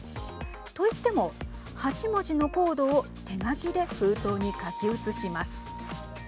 といっても、８文字のコードを手書きで封筒に書き写します。